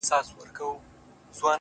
د خبرونو وياند يې!